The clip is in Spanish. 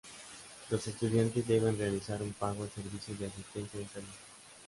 Los estudiantes deben realizar un pago al servicio de asistencia de salud.